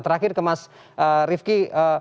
terakhir ke mas riefke